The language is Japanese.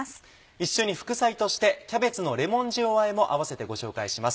一緒に副菜として「キャベツのレモン塩あえ」も併せてご紹介します。